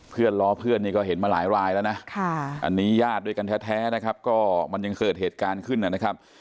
เพื่อนล้อเพื่อนนี้คงเห็นมาหลายแล้วนะอันนี้ญาติดิกันแท้มันยังเกิดเหตุการณ์ขึ้นเลยนะครับ